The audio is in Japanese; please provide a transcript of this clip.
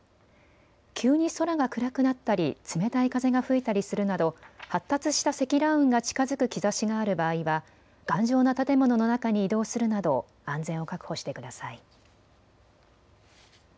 急に空が暗くなったり冷たい風が吹いたりするなど発達した積乱雲が近づく兆しがある場合は頑丈な建物の中に移動するなど安全を確保してください。